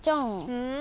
うん？